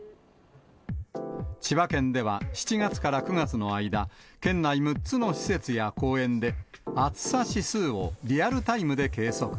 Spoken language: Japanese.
千葉県では７月から９月の間、県内６つの施設や公園で、暑さ指数をリアルタイムで計測。